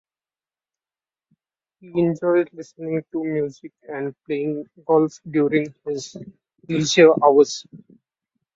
He enjoys listening to music and playing golf during his leisure hours.